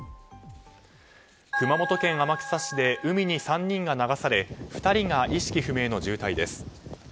熊本県天草市で海に３人が流され２人が意識不明の重体です。